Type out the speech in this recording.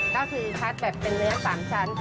ก็คือพัดแบบเป็นเนื้อ๓ชั้น